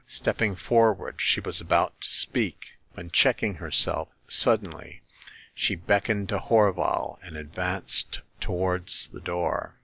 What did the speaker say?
Stepping forward, she was about to speak, when, checking herself suddenly, she beckoned to Horval, and advanced towards the door.